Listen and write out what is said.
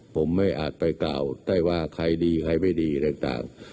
ผมไม่อาจไปกล่าวได้ว่าใครดีใครไม่ดีอะไรต่าง